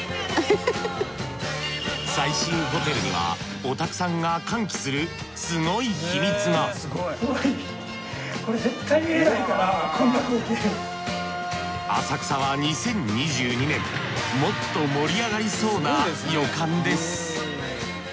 最新ホテルにはヲタクさんが歓喜するすごい秘密が浅草は２０２２年もっと盛り上がりそうな予感です